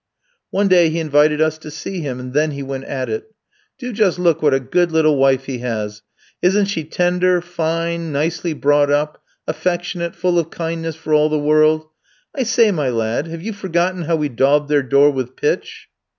"One day he invited us to see him, and then he went at it. 'Do just look what a good little wife he has! Isn't she tender, fine, nicely brought up, affectionate, full of kindness for all the world? I say, my lad, have you forgotten how we daubed their door with pitch?'